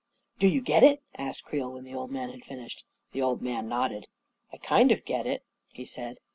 " Do you get it? n asked Creel, when the old man had finished. The old man nodded. " I kind of get it," he said.